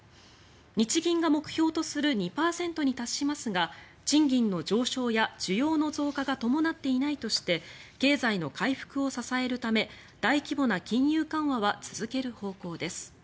日銀が目標とする２％に達しますが賃金の上昇や需要の増加が伴っていないとして経済の回復を支えるため大規模な金融緩和は続ける方向です。